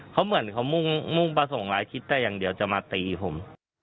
เขาเหมือนเขามุ่งประสงค์ร้ายคิดแต่อย่างเดียวจะมาตีผม